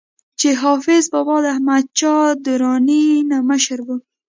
چې حافظ بابا د احمد شاه دراني نه مشر وو